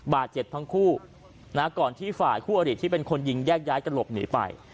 บาดเจ็บทั้งคู่นะก่อนที่ฝ่ายคู่อริที่เป็นคนยิงแยกย้ายกันหลบหนีไป